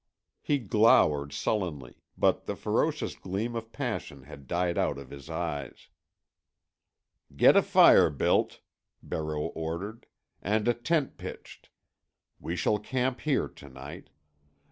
He glowered sullenly, but the ferocious gleam of passion had died out of his eyes. "Get a fire built," Barreau ordered, "and a tent pitched. We shall camp here to night.